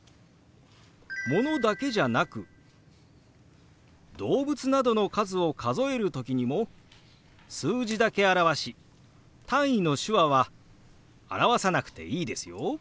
ものだけじゃなく動物などの数を数える時にも数字だけ表し単位の手話は表さなくていいですよ。